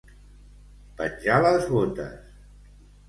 Penjar les botes.